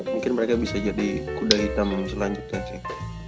mungkin mereka bisa jadi kuda hitam yang selanjutnya sih